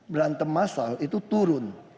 berantem massal itu turun